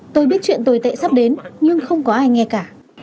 tôi biết chuyện tồi tệ sắp đến nhưng không có ai nghe cả